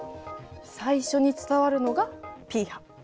最初に伝わるのがＰ波。